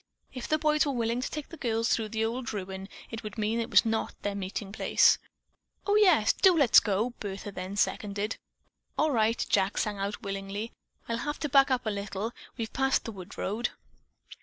If the boys were willing to take the girls through the old ruin, it would mean that it was not their meeting place. "Oh, yes—do let's go!" Bertha then seconded. "All right," Jack sang out willingly. "I'll have to back up a little. We've passed the wood road."